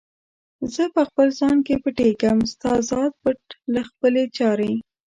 زه په خپل ځان کې پټیږم، ستا ذات پټ له خپلي چارې